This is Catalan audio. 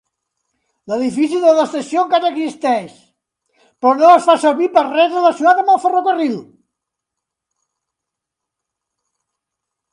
L'edifici de l'estació encara existeix, però no es fa servir per res relacionat amb el ferrocarril.